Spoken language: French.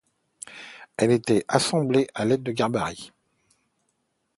Elle est assemblée à l'aide de gabarit.